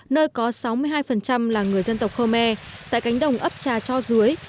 nơi có sáu mươi hai là người dân tộc khmer tại cánh đồng ấp trà cho dưới